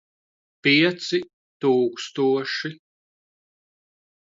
Pieci tūkstoši.